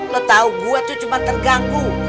lo tahu gue tuh cuma terganggu